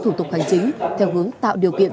thủ tục hành chính theo hướng tạo điều kiện